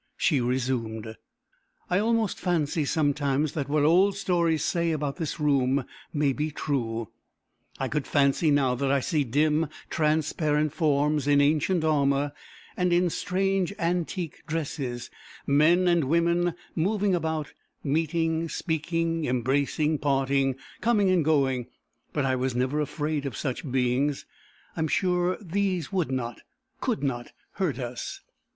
She resumed: "I almost fancy, sometimes, that what old stories say about this room may be true. I could fancy now that I see dim transparent forms in ancient armour, and in strange antique dresses, men and women, moving about, meeting, speaking, embracing, parting, coming and going. But I was never afraid of such beings. I am sure these would not, could not hurt us."